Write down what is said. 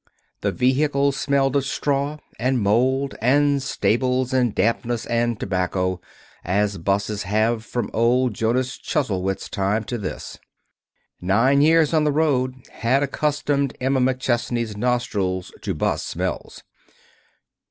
The vehicle smelled of straw, and mold, and stables, and dampness, and tobacco, as 'buses have from old Jonas Chuzzlewit's time to this. Nine years on the road had accustomed Emma McChesney's nostrils to 'bus smells.